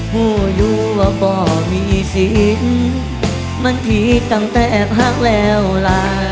หัวอยู่ว่าบ่มีสินมันผิดตั้งแต่พักแล้วล่ะ